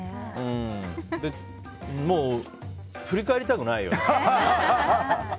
もう振り返りたくないよね。